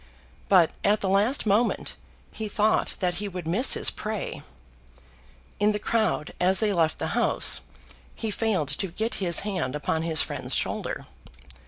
But at the last moment he thought that he would miss his prey. In the crowd as they left the House he failed to get his hand upon his friend's shoulder.